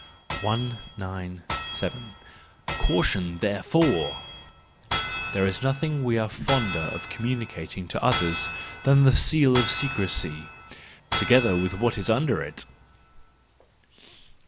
197. Caution therefore I —There is nothing we are fonder of communicating to others than the seal of secrecy—together with what is under it.